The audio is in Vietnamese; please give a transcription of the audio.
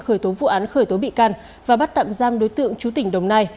khởi tố vụ án khởi tố bị can và bắt tạm giam đối tượng chú tỉnh đồng nai